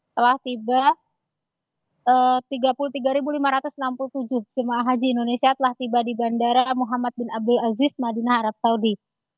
telah tiba tiga puluh tiga lima ratus enam puluh tujuh jemaah haji indonesia telah tiba di bandara muhammad bin abdul aziz madinah arab saudi